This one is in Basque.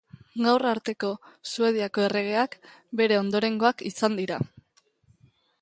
Gaur arteko Suediako erregeak bere ondorengoak izan dira.